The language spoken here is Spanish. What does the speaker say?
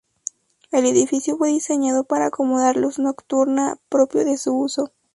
El edificio fue diseñado para acomodar luz nocturna, propia de su uso.